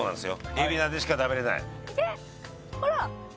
海老名でしか食べれないいけほら